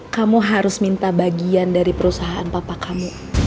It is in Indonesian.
kamu harus minta bagian dari perusahaan papa kamu